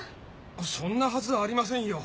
そんなはずありませんよ。